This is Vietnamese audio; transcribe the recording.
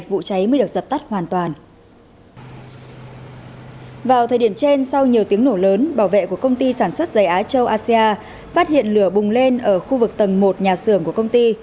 vào thời điểm trên sau nhiều tiếng nổ lớn bảo vệ của công ty sản xuất dày á châu asean phát hiện lửa bùng lên ở khu vực tầng một nhà xưởng của công ty